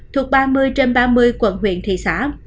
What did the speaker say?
thuộc ba mươi trên ba mươi quận huyện thị xã